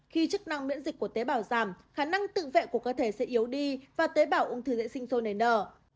khi chức năng miễn dịch của tế bào giảm khả năng tự vệ của cơ thể sẽ yếu đi và tế bào ung thư sẽ sinh sôi nền nở